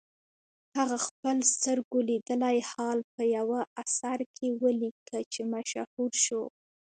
هغه خپل سترګو لیدلی حال په یوه اثر کې ولیکه چې مشهور شو.